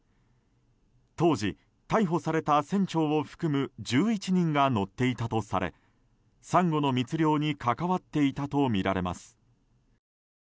当時、逮捕された船長を含む１１人が乗っていたとされサンゴの密漁に関わっていたとみられます。